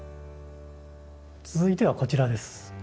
続いてはこちらです。